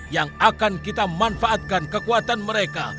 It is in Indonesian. yang akan kita manfaatkan kekuatan mereka